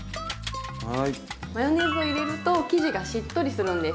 マヨネーズを入れると生地がしっとりするんです。